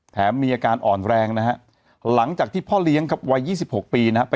มีอาการอ่อนแรงนะฮะหลังจากที่พ่อเลี้ยงครับวัย๒๖ปีนะฮะ